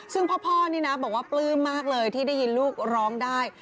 ซึ่งพ่อนี่นะบอกว่าปลื้มมากเลยที่ได้ยินลูกร้องได้